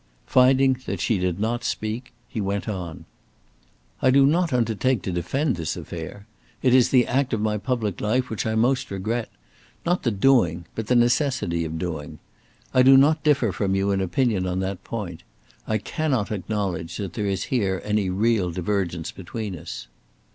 Finding that she did not speak, he went on: "I do not undertake to defend this affair. It is the act of my public life which I most regret not the doing, but the necessity of doing. I do not differ from you in opinion on that point. I cannot acknowledge that there is here any real divergence between us."